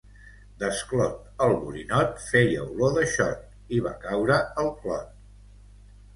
Desclot el borinot feia olor de xot i va caure al clot.